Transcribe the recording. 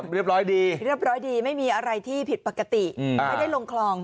เรียบร้อยดีไม่มีอะไรที่ผิดปกติไม่ได้ลงคลอง